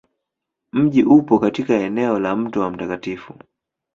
Mji upo katika eneo la Mto wa Mt.